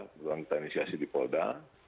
kita inisiasi di polda